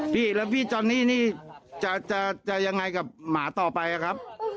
พี่แล้วพี่จอนนี่นี่จะยังไงกับหมาต่อไปครับ